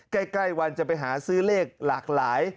ใกล้วันจะไปหาซื้อเลขหลากหลาย